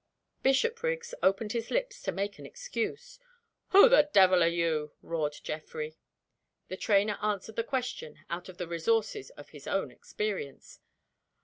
Bishopriggs opened his lips to make an excuse. "Who the devil are you?" roared Geoffrey. The trainer answered the question out of the resources of his own experience.